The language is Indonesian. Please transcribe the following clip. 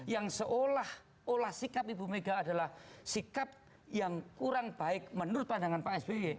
yang seolah olah sikap ibu mega adalah sikap yang kurang baik menurut pandangan pak sby